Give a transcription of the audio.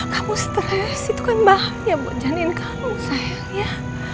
kamu stres itu kan bahannya buat janin kamu sayang ya